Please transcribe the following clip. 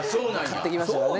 買ってきましたからね